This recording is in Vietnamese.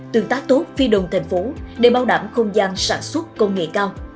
tương tác tốt phía đông thành phố để bao đảm không gian sản xuất công nghệ cao